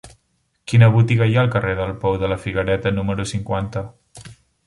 Quina botiga hi ha al carrer del Pou de la Figuereta número cinquanta?